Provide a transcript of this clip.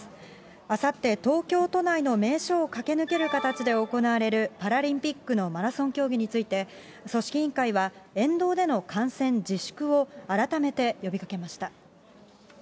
あさって、東京都内の名所を駆け抜ける形で行われるパラリンピックのマラソン競技について、組織委員会は、沿道での観戦自粛を改めて呼びかけました。